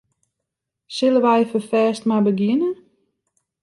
Sille wy ferfêst mar begjinne?